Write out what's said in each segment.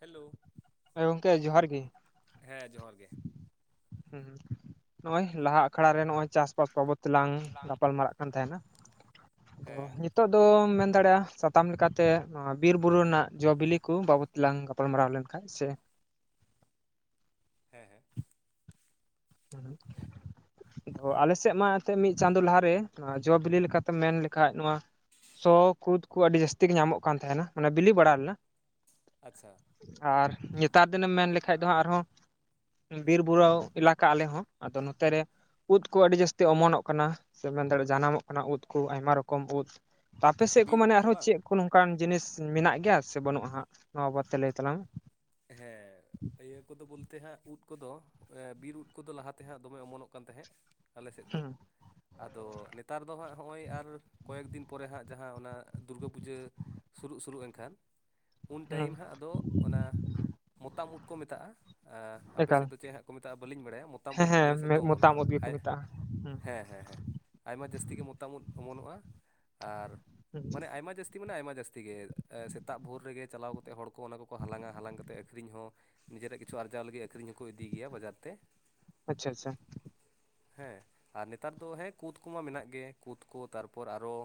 Hello ᱦᱮᱸ ᱜᱚᱝᱠᱮ ᱡᱚᱦᱟᱨ ᱜᱮ ᱦᱮᱸ ᱡᱚᱦᱟᱨ ᱜᱮ ᱱᱚᱜ-ᱚᱭ ᱞᱟᱦᱟ ᱟᱠᱷᱲᱟ ᱨᱮ ᱱᱚᱜ-ᱚᱭ ᱪᱟᱥ ᱵᱟᱥ ᱵᱟᱵᱚᱛ ᱛᱮᱞᱟᱝ ᱜᱟᱯᱟᱞ ᱢᱟᱨᱟᱜ ᱠᱟᱱᱟ᱾ ᱛᱟᱸᱦᱮᱱᱟ ᱟᱫᱚ ᱦᱮᱸ ᱱᱤᱛᱚᱜ ᱫᱚᱢ ᱢᱮᱱ ᱫᱟᱲᱮᱭᱟᱜ-ᱟ ᱥᱟᱛᱟᱢ ᱞᱮᱠᱟᱛᱮ ᱱᱚᱣᱟ ᱵᱤᱨ ᱵᱩᱨᱩ ᱨᱮᱱᱟᱜ ᱡᱚ-ᱵᱤᱞᱤ ᱠᱚ ᱵᱟᱵᱚᱛ ᱛᱮ ᱞᱟᱝ ᱜᱟᱯᱟᱞᱢᱟᱨᱟᱣ ᱞᱮᱱᱠᱟᱡ ᱥᱮ ᱦᱮᱸ ᱦᱮᱸ ᱩᱦᱩᱜ ᱛᱚ ᱟᱞᱮᱥᱮᱫ ᱢᱟ ᱮᱱᱛᱮ ᱢᱤᱫ ᱪᱟᱸᱫᱳ ᱞᱟᱦᱟᱨᱮ, ᱡᱚ ᱵᱤᱞᱤ ᱞᱮᱠᱟᱛᱮᱢ ᱢᱮᱱ ᱞᱮᱠᱷᱟᱡ ᱱᱚᱣᱟ ᱥᱚ ᱠᱩᱫᱽ ᱠᱚ ᱟᱹᱰᱤ ᱡᱟᱹᱥᱛᱤ ᱜᱮ ᱧᱟᱢᱚᱜ ᱠᱟᱱ ᱛᱟᱸᱦᱮᱱᱟ ᱢᱟᱱᱮ ᱵᱤᱞᱤ ᱵᱟᱲᱟ ᱞᱮᱱᱟ ᱟᱪᱪᱷᱟ ᱟᱨ ᱱᱮᱛᱟᱨ ᱫᱤᱱᱮᱢ ᱢᱮᱱ ᱞᱮᱠᱷᱟ ᱫᱚ ᱦᱟᱸᱜ ᱟᱨᱦᱚᱸ ᱵᱤᱨ ᱵᱩᱨᱩ ᱮᱞᱟᱠᱟ ᱠᱟᱜ ᱟᱞᱮ ᱦᱚᱸ ᱟᱫᱚ ᱱᱚᱛᱮ ᱨᱮ ᱩᱫ ᱠᱚ ᱟᱹᱰᱤ ᱡᱟᱹᱥᱛᱤ ᱚᱢᱚᱱᱚᱜ ᱠᱟᱱᱟ ᱥᱮ ᱢᱮᱱ ᱫᱟᱲᱭᱟᱜ-ᱟ᱾ ᱡᱟᱱᱟᱢᱚᱜ ᱠᱟᱱᱟ ᱩᱫ ᱠᱚ ᱟᱭᱢᱟ ᱨᱚᱠᱚᱢ ᱩᱫᱽ ᱟᱯᱮ ᱥᱮᱫ ᱠᱚ ᱵᱤᱨ ᱩᱫ ᱢᱟᱱᱮ ᱟᱨᱦᱚᱸ ᱵᱟᱝ ᱪᱮᱫ ᱠᱚ ᱱᱚᱝᱠᱟᱱ ᱡᱤᱱᱤᱥ ᱢᱮᱱᱟᱜ ᱜᱮᱭᱟ ᱥᱮ ᱵᱟᱹᱱᱩᱜ-ᱟ᱾ ᱦᱟᱸᱜ ᱱᱚᱣᱟ ᱵᱟᱵᱚᱫ ᱛᱮ ᱞᱟᱹᱭ ᱛᱟᱞᱟᱝ ᱢᱮ‌? ᱦᱮᱸᱻ ᱤᱭᱟᱹ ᱠᱚᱫᱚ ᱵᱚᱞᱛᱮ ᱦᱟᱸᱜ ᱩᱫᱽ ᱠᱚᱫᱚ ᱵᱤᱨ ᱩᱫᱽ ᱠᱚᱫᱚ ᱞᱟᱦᱟᱛᱮ ᱦᱟᱸᱜ ᱫᱚᱢᱮ ᱚᱢᱚᱱᱚᱜ ᱠᱟᱱ ᱛᱟᱦᱮᱸᱜ᱾ ᱟᱞᱮ ᱥᱮᱫ ᱫᱚ ᱦᱩᱸ ᱟᱫᱚ ᱱᱮᱛᱟᱨ ᱫᱚ ᱦᱟᱸᱜ ᱱᱚᱜ-ᱚᱭ ᱟᱨ ᱠᱚᱭᱮᱠ ᱫᱤᱱ ᱯᱚᱨᱮ ᱦᱟᱸᱜ ᱡᱟᱦᱟᱸ ᱚᱱᱟ ᱫᱩᱨᱜᱟᱹ ᱯᱩᱡᱟᱹ ᱥᱩᱨᱩᱜ ᱥᱩᱨᱩᱜ ᱮᱱᱠᱷᱟᱱ ᱩᱱ ᱦᱩᱸ ᱴᱟᱭᱤᱢ ᱦᱟᱸᱜ ᱟᱫᱚ ᱚᱱᱟ ᱢᱚᱛᱟᱢ ᱩᱫ ᱠᱚ ᱢᱮᱛᱟᱜ-ᱟ ᱮᱻ ᱟᱯᱮ ᱥᱮᱫ ᱮᱠᱟᱞ ᱫᱚ ᱪᱮᱫ ᱦᱟᱸᱜ ᱠᱚ ᱢᱮᱛᱟᱜ-ᱟ᱾ ᱵᱟᱹᱞᱤᱧ ᱵᱟᱲᱟᱭᱟ ᱢᱚᱛᱟᱢ ᱦᱮᱸ ᱩᱫ ᱟᱞᱮ ᱥᱮᱫ ᱦᱮᱸ ᱫᱚ ᱢᱚᱛᱟᱢ ᱚᱢᱚᱱᱚᱜ-ᱟ ᱩᱫ ᱜᱮᱠᱚ ᱟᱡ ᱢᱮᱛᱟᱜᱼᱟ ᱦᱩᱸ ᱦᱮᱸ ᱦᱮᱸ ᱦᱮᱸ ᱟᱭᱢᱟ ᱡᱟᱹᱥᱛᱤ ᱜᱮ ᱢᱚᱛᱟᱢ ᱩᱫ ᱚᱢᱚᱱᱚᱜ-ᱟ᱾ ᱟᱨ ᱦᱩᱸ ᱢᱟᱱᱮ ᱟᱭᱢᱟ ᱡᱟᱹᱥ ᱛᱤ ᱢᱟᱱᱮ ᱟᱭᱢᱟ ᱡᱟᱹᱥᱛᱤ ᱢᱟᱱᱮ ᱟᱭᱢᱟ ᱡᱟᱹᱥᱛᱤ ᱜᱮ ᱥᱮᱛᱟᱜ ᱵᱷᱳᱨ ᱨᱮᱜᱮ ᱪᱟᱞᱟᱣ ᱠᱟᱛᱮ ᱦᱚᱲ ᱠᱚ ᱚᱱᱟ ᱠᱚ ᱠᱚ ᱦᱟᱞᱟᱝ-ᱟ᱾ ᱦᱟᱞᱟᱝ ᱠᱟᱛᱮ ᱟ. ᱠᱷᱨᱤᱧ ᱦᱚᱸ ᱱᱤᱡᱮᱨᱟᱜ ᱠᱤᱪᱷᱩ ᱟᱨᱡᱟᱣ ᱞᱟᱹᱜᱤᱫ ᱟᱹᱠᱷᱨᱤᱧ ᱦᱚᱸᱠᱚ ᱤᱫᱤ ᱜᱮᱭᱟ ᱵᱟᱡᱟᱨ ᱛᱮ᱾ ᱟᱪᱪᱷᱟ ᱟᱪᱷᱟ, ᱦᱮᱸ ᱟᱨ ᱱᱮᱛᱟᱨ ᱫᱚ ᱦᱮᱸ ᱠᱩᱫᱽ ᱠᱚᱢᱟ ᱢᱮᱱᱟᱜ ᱜᱮ, ᱠᱩᱫᱽ ᱠᱚ ᱛᱟᱨᱯᱚᱨ ᱟᱨᱚ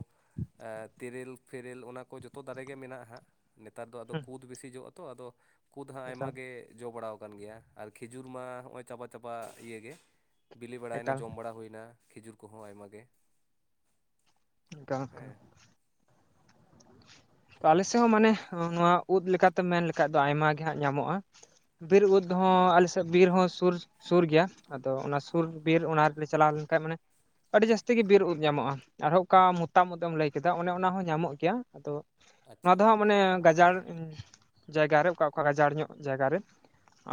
ᱛᱮᱨᱮᱞ ᱯᱷᱮᱨᱮᱞ ᱚᱱᱟ ᱠᱚ ᱡᱚᱛᱚ ᱫᱟᱨᱮ ᱜᱮ ᱢᱮᱱᱟᱜ-ᱟ᱾ ᱦᱟᱸᱜ ᱱᱮᱛᱟᱨ ᱫᱚ ᱟᱫᱚ ᱦᱩᱸ ᱠᱩᱫᱽ ᱵᱤᱥᱤ ᱡᱚᱜ-ᱟ ᱾ᱛᱚ ᱟᱫᱚ ᱠᱩᱫᱽ ᱦᱚᱸ ᱟᱸᱭᱢᱟ ᱮᱠᱟᱞ ᱜᱮ ᱡᱚ ᱵᱟᱲᱟ ᱟᱠᱟᱱ ᱜᱮᱭᱟ, ᱟᱨ ᱠᱷᱤᱡᱩᱨ ᱢᱟ ᱦᱚᱜ-ᱚᱭ ᱪᱟᱵᱟ ᱪᱟᱵᱟ ᱤᱭᱟᱹ ᱜᱮ ᱵᱤᱞᱤ ᱵᱟᱲᱟᱭᱱᱟ ᱮᱠᱟᱞ ᱡᱚᱢ ᱵᱟᱲᱟ ᱦᱩᱭᱱᱟ ᱠᱷᱮᱡᱩᱨ ᱠᱚᱦᱚᱸ ᱟᱭᱢᱟ ᱜᱮ ᱦᱮᱸ [inaudible] ᱟᱞᱮ ᱥᱮᱫ ᱦᱚᱸ ᱢᱟᱱᱮ ᱱᱚᱣᱟ ᱩᱫ ᱞᱮᱠᱟᱛᱮ ᱢᱮᱱ ᱞᱮᱠᱷᱟᱡ ᱫᱚ ᱟᱭᱢᱟ ᱜᱮ ᱦᱟᱸᱜ ᱧᱟᱢᱚᱜ-ᱟ᱾ ᱵᱤᱨ ᱩᱫᱽ ᱦᱚᱸ ᱟᱞᱮ ᱥᱮᱫ ᱵᱤᱨ ᱦᱚᱸ ᱥᱩᱨ ᱥᱩᱨ ᱜᱮᱭᱟ ᱟᱫᱚ ᱚᱱᱟ ᱥᱩᱨ ᱵᱤᱨ ᱚᱱᱟ ᱨᱮᱞᱮ ᱪᱟᱞᱟᱣ ᱞᱮᱱᱠᱷᱟᱡ ᱢᱟᱱᱮ ᱟᱹᱰᱤ ᱡᱟᱹᱥᱛᱤ ᱜᱮ ᱵᱤᱨ ᱩᱫᱽ ᱧᱟᱢᱚᱜ-ᱟ᱾ ᱟᱨᱦᱚᱸ ᱚᱠᱟ ᱢᱚᱛᱟᱢ ᱩᱫᱽ ᱮᱢ ᱞᱟᱹᱭ ᱠᱮᱫᱟ, ᱚᱱᱮ ᱚᱱᱟ ᱦᱚᱸ ᱧᱟᱢᱚᱜ ᱜᱮᱭᱟ᱾ ᱟᱫᱚ ᱱᱚᱣᱟ ᱟᱪᱪᱷᱟ ᱫᱚ ᱦᱟᱸᱜ ᱢᱟᱱᱮ ᱜᱟᱡᱟᱲ ᱡᱟᱭᱜᱟ ᱨᱮ, ᱚᱠᱟ ᱚᱠᱟ ᱜᱟᱡᱟᱲ ᱧᱚᱜ ᱡᱟᱭᱜᱟ ᱨᱮ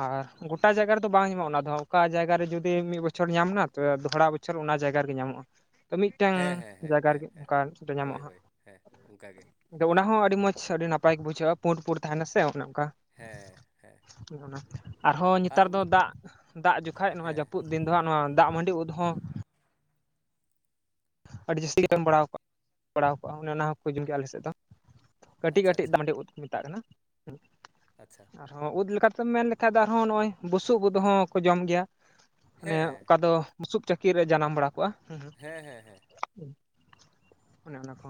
ᱟᱨ ᱜᱚᱴᱟ ᱡᱟᱭᱜᱟ ᱨᱮᱫᱚ ᱵᱟᱝ ᱧᱟᱢᱚᱜ-ᱟ ᱚᱱᱟ ᱫᱚ᱾ ᱚᱠᱟ ᱡᱟᱭᱜᱟ ᱨᱮ ᱡᱩᱫᱤ ᱢᱤᱫ ᱵᱚᱪᱷᱚᱨ ᱧᱟᱢᱱᱟ ᱛᱚ ᱫᱚᱦᱚᱲᱟ ᱵᱚᱪᱷᱚᱨ ᱵᱚᱪᱷᱚᱨ ᱚᱱᱟ ᱡᱟᱭᱜᱟ ᱨᱮᱜᱮ ᱧᱟᱢᱚᱜᱼᱟ᱾ ᱛᱚ ᱢᱤᱫᱴᱟᱝ ᱦᱮᱸ ᱦᱮᱸ ᱦᱮᱸ ᱡᱟᱭᱜᱟ ᱦᱮᱸ ᱨᱮᱜᱮ, ᱦᱮᱸ ᱚᱠᱟ ᱨᱮ ᱪᱚ ᱦᱳᱭ ᱧᱟᱢᱚᱜ-ᱟ ᱾ᱦᱟᱸᱜ ᱦᱳᱭ ᱦᱮᱸ ᱚᱱᱠᱟ ᱜᱮ ᱟᱫᱚ ᱚᱱᱟ ᱦᱚᱸ ᱟᱹᱰᱤ ᱢᱚᱸᱡᱽ, ᱟᱹᱰᱤ ᱱᱟᱯᱟᱭ ᱜᱮ ᱵᱩᱡᱷᱟᱹᱜ-ᱟ᱾ ᱯᱩᱸᱰ ᱯᱩᱸᱰ ᱛᱟᱸᱦᱮᱱᱟ ᱥᱮ ᱚᱱᱮ ᱚᱱᱠᱟ ᱦᱮᱸ ᱦᱮᱸ ᱟᱨᱦᱚᱸ ᱱᱮᱛᱟᱨ ᱟᱨᱚ ᱫᱚ ᱢᱤᱫ ᱫᱟᱜᱽ ᱫᱟᱜᱽ ᱡᱚᱠᱷᱟᱡ ᱱᱚᱣᱟ ᱦᱮᱸ ᱡᱟᱹᱯᱩᱫ ᱫᱤᱱ ᱫᱚ ᱦᱟᱸᱜ ᱱᱚᱣᱟ ᱫᱟᱜᱽ ᱢᱟᱹᱰᱤ ᱩᱫᱽ ᱦᱚᱸ ᱟᱹᱰᱤ ᱡᱟᱹᱥᱛᱤ ᱜᱮ ᱡᱚᱢ ᱵᱟᱲᱟᱣ ᱠᱟᱜ ᱵᱟᱲᱟᱣ ᱠᱚᱜᱼᱟ᱾ ᱚᱱᱮ ᱚᱱᱟ ᱦᱚᱸᱠᱚ ᱡᱚᱢ ᱜᱮᱭᱟ ᱟᱞᱮ ᱥᱮᱫ ᱫᱚ᱾ ᱠᱟᱹᱴᱤᱡ ᱟᱪᱪᱷᱟ ᱠᱟᱹᱴᱤᱡ ᱟᱪᱪᱷᱟ ᱫᱟᱜᱢᱟᱸᱰᱤ ᱩᱫᱽ ᱠᱚ ᱢᱮᱛᱟᱜ ᱠᱟᱱᱟ᱾ ᱟᱪᱷᱟ ᱟᱨᱦᱚᱸ ᱩᱫ ᱞᱮᱠᱟᱛᱮᱢ ᱢᱮᱱ ᱞᱮᱠᱷᱟᱱ ᱫᱚ ᱟᱨᱦᱚᱸ ᱱᱚᱜᱼᱚᱭ ᱵᱩᱥᱩᱵ ᱩᱫ ᱦᱚᱸ ᱠᱚ ᱡᱚᱢ ᱜᱮᱭᱟ ᱢᱟᱱᱮ ᱦᱮᱸ ᱚᱠᱟ ᱫᱚ ᱵᱩᱥᱩᱵ ᱪᱟᱹᱠᱤ ᱨᱮ ᱡᱟᱱᱟᱢ ᱵᱟᱲᱟ ᱠᱚᱜᱼᱟ ᱦᱮᱸ ᱦᱮᱸ ᱦᱮᱸ ᱦᱮᱸ ᱚᱱᱮ ᱚᱱᱟ ᱠᱚ